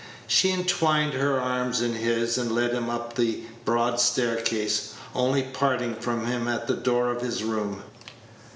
She entwined her arms in his, and led him up the broad staircase, only parting from him at the door of his room.